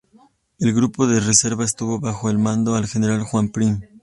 El grupo de reserva estuvo bajo el mando del general Juan Prim.